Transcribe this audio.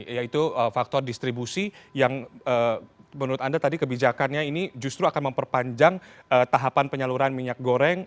yaitu faktor distribusi yang menurut anda tadi kebijakannya ini justru akan memperpanjang tahapan penyaluran minyak goreng